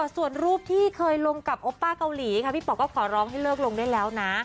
ส่วนรูปที่เคยลงกับโอป้าเกาหลีค่ะพี่ป๋อก็ขอร้องให้เลิกลงได้แล้วนะ